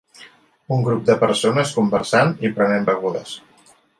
Un grup de persones conversant i prenent begudes.